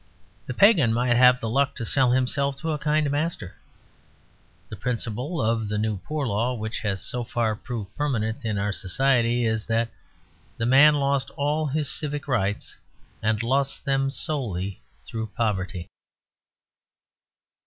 The pagan might have the luck to sell himself to a kind master. The principle of the New Poor Law, which has so far proved permanent in our society, is that the man lost all his civic rights and lost them solely through poverty.